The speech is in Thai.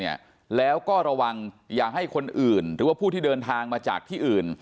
อย่าให้คนอื่นหรือว่าผู้ที่เดินทางมาจากที่อื่น